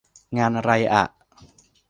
งานไรอะ